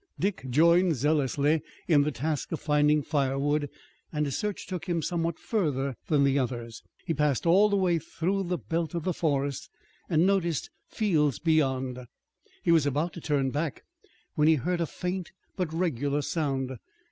Dick joined zealously in the task of finding firewood and his search took him somewhat further than the others. He passed all the way through the belt of forest, and noticed fields beyond. He was about to turn back when he heard a faint, but regular sound.